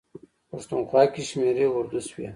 پښتونخوا کې شمېرې اردو شوي.